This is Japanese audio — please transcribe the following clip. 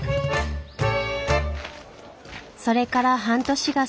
それから半年が過ぎました。